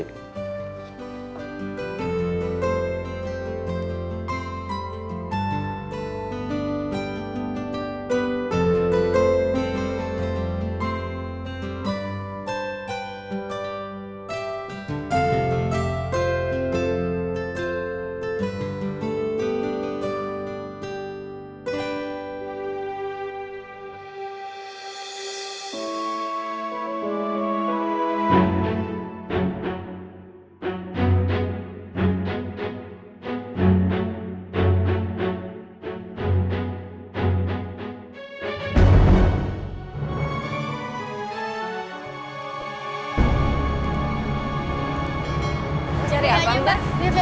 kita harus mencari indianya